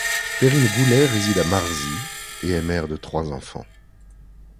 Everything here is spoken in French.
Perrine Goulet réside à Marzy, et est mère de trois enfants.